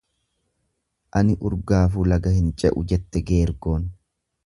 Ani urgaafuu laga hin ce'u jette geergoon.